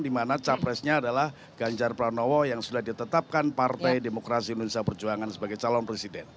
dimana capresnya adalah ganjar pranowo yang sudah ditetapkan partai demokrasi indonesia perjuangan sebagai calon presiden